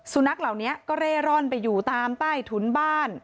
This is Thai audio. สุนัขเหล่านี้ก็เร่ร่อนไปอยู่ตามใต้ถุนบ้าน